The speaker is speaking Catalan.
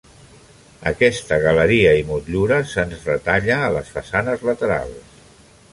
Aquesta galeria i motllura se'ns retalla a les façanes laterals.